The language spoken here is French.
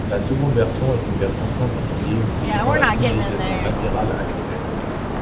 La seconde version est une version simplifiée utilisant la signalisation latérale actuelle.